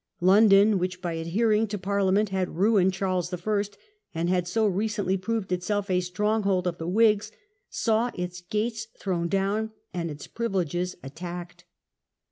London, which, by adhering to Parliament, had ruined Charles I., and had so recently proved itself a stronghold of the Whigs, saw its gates thrown down and its privileges attacked.